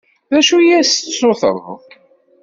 D acu i as-d-tessutreḍ?